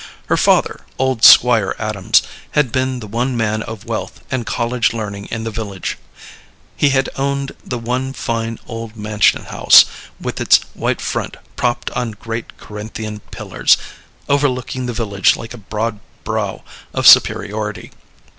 Her father, old Squire Adams, had been the one man of wealth and college learning in the village. He had owned the one fine old mansion house, with its white front propped on great Corinthian pillars, overlooking the village like a broad brow of superiority.